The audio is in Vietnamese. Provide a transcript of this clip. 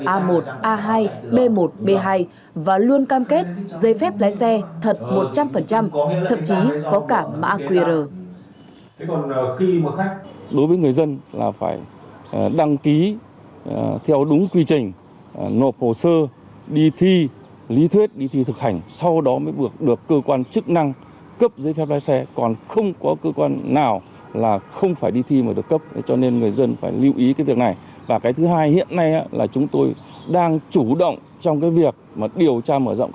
a một a hai b một b hai và luôn cam kết giấy phép lái xe thật một trăm linh thậm chí có cả mã qr